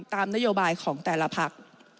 ตามนโยบายของแต่ละพัก